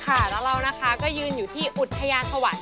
ค่ะแล้วเรานะคะก็ยืนอยู่ที่อุทยานสวรรค์